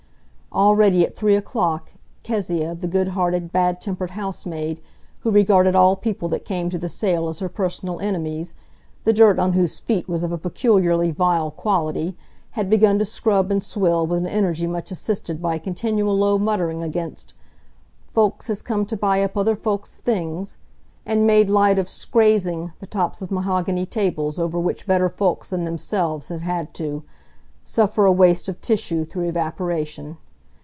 Already, at three o'clock, Kezia, the good hearted, bad tempered housemaid, who regarded all people that came to the sale as her personal enemies, the dirt on whose feet was of a peculiarly vile quality, had begun to scrub and swill with an energy much assisted by a continual low muttering against "folks as came to buy up other folk's things," and made light of "scrazing" the tops of mahogany tables over which better folks than themselves had had to—suffer a waste of tissue through evaporation.